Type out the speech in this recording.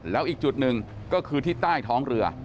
แล้วอีกจุดหนึ่งก็คือที่ใต้ท้องเรือ